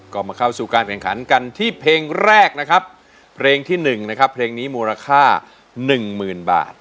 ก็มาเข้าสู่การแข่งขันกันที่เพลงแรกนะครับเพลงที่๑นะครับเพลงนี้มูลค่าหนึ่งหมื่นบาท